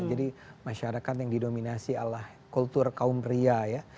jadi masyarakat yang didominasi oleh kultur kaum pria ya